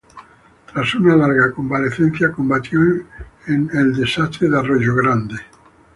Tras una larga convalecencia, combatió en la desastre de Arroyo Grande.